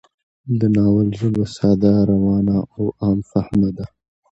د ناول ژبه ساده، روانه او عام فهمه ده